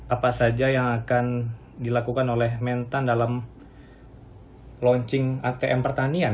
apa saja yang akan dilakukan oleh mentan dalam launching atm pertanian